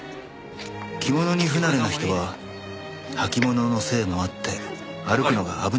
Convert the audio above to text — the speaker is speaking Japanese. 「着物に不慣れな人は履物のせいもあって歩くのが危なっかしかったりします」